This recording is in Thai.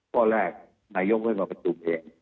ข้อแรกนายกเว้ยว่ากระจุเพลง